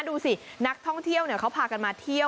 ดูสินักท่องเที่ยวเขาพากันมาเที่ยว